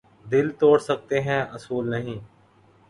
دل توڑ سکتے ہیں اصول نہیں